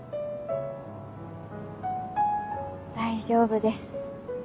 大丈夫です。